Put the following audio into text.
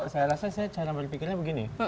saya rasa saya cara berpikirnya begini